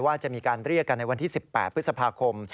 ว่าจะมีการเรียกกันในวันที่๑๘พฤษภาคม